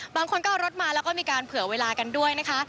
บางคนก็เอารถมาแล้วก็มีการเผื่อเวลากันด้วยนะคะ